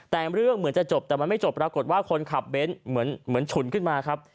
แต่เรื่องเหมือนจะจบแต่มันไม่จบปรากฏว่าคนขับเบ้นเหมือนฉุนขึ้นมาครับ